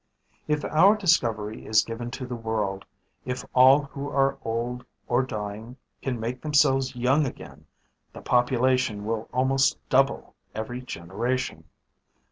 "If our discovery is given to the world, if all who are old or dying can make themselves young again, the population will almost double every generation.